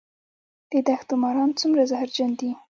د دښتو ماران څومره زهرجن دي؟